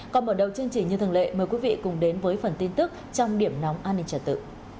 còn mở đầu chương trình như thường lệ mời quý vị cùng đến với phần tin tức trong điểm nóng an ninh trật tự